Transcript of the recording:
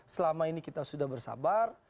selama ini kita sudah bersabar